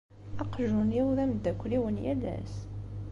Aqjun-iw d ameddakel-iw n yal ass.